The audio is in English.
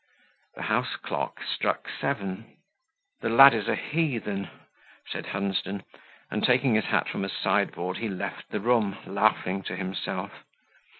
The house clock struck seven. "The lad is a heathen," said Hunsden, and taking his hat from a sideboard, he left the room, laughing to himself.